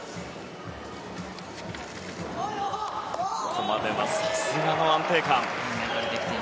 ここまではさすがの安定感。